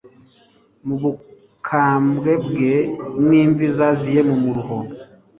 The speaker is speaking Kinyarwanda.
n'ubukambwe bwe, n'imvi zaziye mu muruho